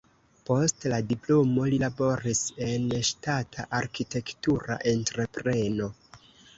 Post la diplomo li laboris en ŝtata arkitektura entrepreno.